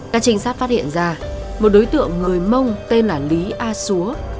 các trinh sát phát hiện ra một đối tượng người mông tên là lý a xúa